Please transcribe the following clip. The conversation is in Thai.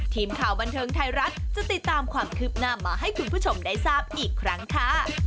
ทีมข่าวบันเทิงไทยรัฐจะติดตามความคืบหน้ามาให้คุณผู้ชมได้ทราบอีกครั้งค่ะ